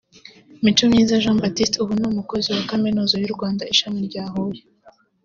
Micomyiza Jean Baptiste ubu ni umukozi wa Kaminuza y’u Rwanda ishami rya Huye